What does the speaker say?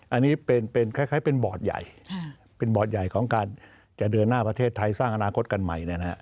อันนี้เป็นคล้ายเป็นบอร์ดใหญ่เป็นบอร์ดใหญ่ของการจะเดินหน้าประเทศไทยสร้างอนาคตกันใหม่